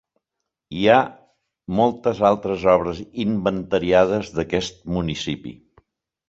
Hi ha moltes altres obres inventariades d'aquest municipi.